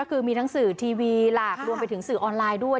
คือมีทั้งสื่อทีวีหลากรวมไปถึงสื่อออนไลน์ด้วย